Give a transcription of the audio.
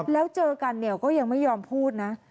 แล้วเจอกันเนี่ยก็ยังไม่ยอมพูดนะ